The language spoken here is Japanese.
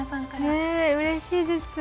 うれしいです。